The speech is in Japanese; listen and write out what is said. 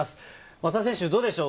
松田選手どうでしょう？